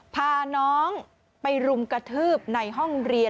พาน้องไปรุมกระทืบในห้องเรียน